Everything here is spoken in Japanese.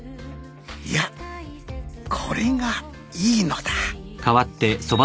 ［いやこれがいいのだ］